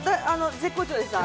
絶好調でした？